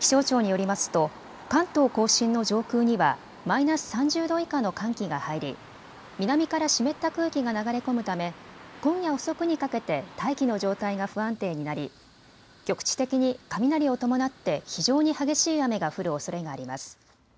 気象庁によりますと関東甲信の上空にはマイナス３０度以下の寒気が入り南から湿った空気が流れ込むため今夜遅くにかけて大気の状態が不安定になり局地的に雷を伴って非常に激しい雨が降るおそれがあります。